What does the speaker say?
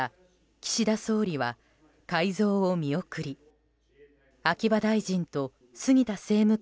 岸田総理は改造を見送り秋葉大臣と杉田政務官